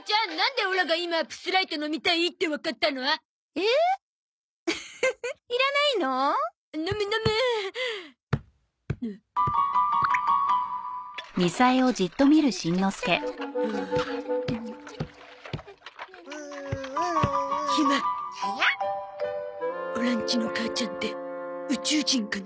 オラんちの母ちゃんって宇宙人かな？